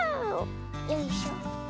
よいしょ。